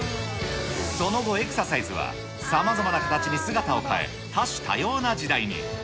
その後、エクササイズはさまざまな形に姿を変え、多種多様な時代に。